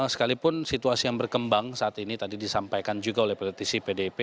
sekalipun situasi yang berkembang saat ini tadi disampaikan juga oleh politisi pdip